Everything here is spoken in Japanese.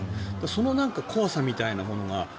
その怖さみたいなものが。